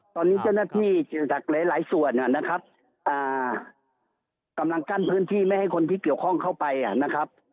ตอนนี้เจ้าหน้าที่จากหลายส่วนนะครับกำลังกั้นพื้นที่ไม่ให้คนที่เกี่ยวข้องเข้าไปนะครับ